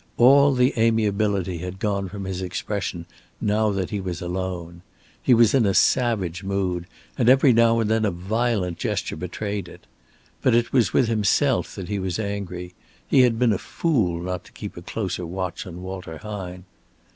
All the amiability had gone from his expression now that he was alone. He was in a savage mood, and every now and then a violent gesture betrayed it. But it was with himself that he was angry. He had been a fool not to keep a closer watch on Walter Hine.